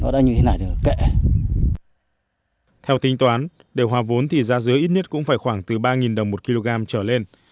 dứa ít nhất cũng phải khoảng từ ba đồng một kg trở lên